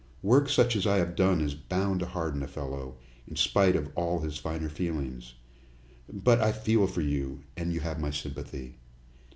Work such as I have done is bound to harden a fellow, in spite of all of his finer feelings. But I feel for you and you have my sympathy."